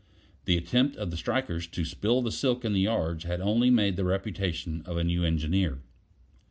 The attempt of the strikers to spill the silk in the yards had only made the reputation of a new engineer.